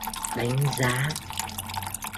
Đánh giá